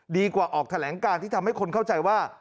ออกแถลงการที่ทำให้คนเข้าใจว่า